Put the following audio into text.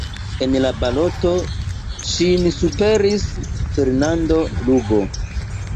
En la baloto ŝin superis Fernando Lugo.